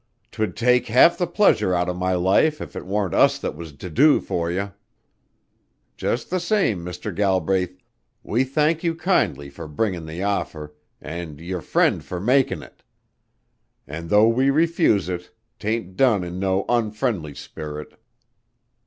'Twould take half the pleasure out of my life if it warn't us that was to do for you. Just the same, Mr. Galbraith, we thank you kindly for bringin' the offer, an' your friend for makin' it; an' though we refuse it, 'tain't done in no unfriendly spirit."